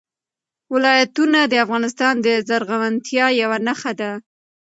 ولایتونه د افغانستان د زرغونتیا یوه نښه ده.